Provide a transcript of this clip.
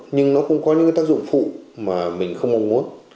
nhưng nó cũng có những tác dụng phụ mà mình không mong muốn